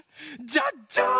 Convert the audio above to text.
じゃじゃん！